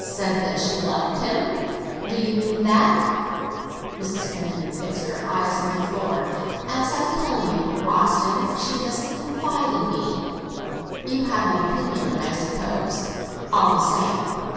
"Said that she loved him? Do you mean that?" Mrs. Penniman fixed her eyes on the floor. "As I tell you, Austin, she doesn't confide in me." "You have an opinion, I suppose, all the same.